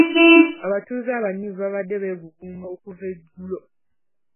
Abatuuze abanyiivu babadde beegugunga okuva eggulo.